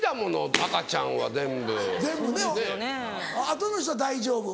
あとの人は大丈夫？